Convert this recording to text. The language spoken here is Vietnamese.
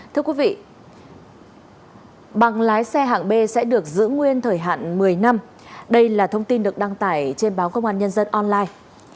thưa quý vị bằng lái xe hạng b sẽ được giữ nguyên thời hạn một mươi năm đây là thông tin được đăng tải trên báo công an nhân dân online